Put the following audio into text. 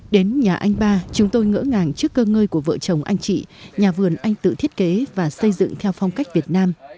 đến nhà anh ba chúng tôi ngỡ ngàng trước cơ ngơi của vợ chồng anh chị nhà vườn anh tự thiết kế và xây dựng theo phong cách việt nam